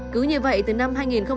cứ như vậy từ năm hai nghìn một mươi